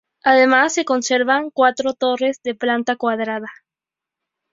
Además se conservan cuatro torres de planta cuadrada.